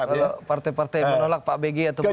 kalau partai partai menolak pak bg atau pak buat